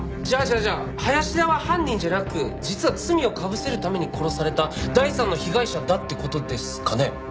じゃあじゃあじゃあ林田は犯人じゃなく実は罪をかぶせるために殺された第３の被害者だって事ですかね？